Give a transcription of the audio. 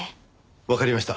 わかりました。